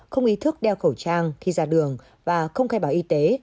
không ý thức đeo khẩu trang khi ra đường và không khai báo y tế